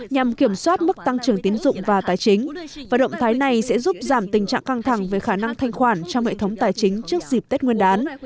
nhằm kiểm soát mức tăng trưởng tiền